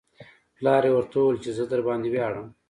پلار یې ورته وویل چې زه درباندې ویاړم